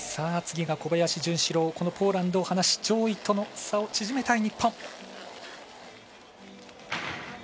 次は小林潤志郎このポーランドを離し上位との差を縮めたい日本。